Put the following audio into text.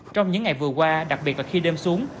trong những ngày vừa qua đặc biệt là khi đêm xuống